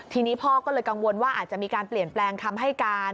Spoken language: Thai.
ทีนี้พ่อก็เลยกังวลว่าอาจจะมีการเปลี่ยนแปลงคำให้การ